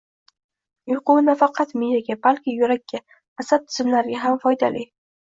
Uyqu nafaqat miyaga, balki yurakka, asab tizimlariga ham foydali.